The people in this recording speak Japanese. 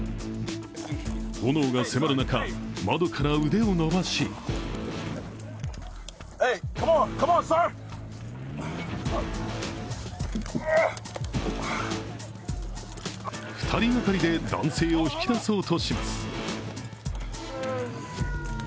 炎が迫る中、窓から腕を伸ばし２人掛かりで男性を引き出そうとします。